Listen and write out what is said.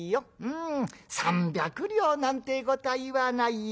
３００両なんてえことは言わないよ。